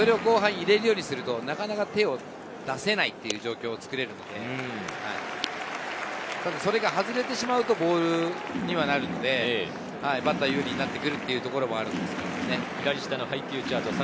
それを後半入れるようにするとなかなか手を出せないっていう状況をつくれるので、それが外れてしまうとボールにはなるので、バッターが有利になってくるっていうのはあるんですけどね。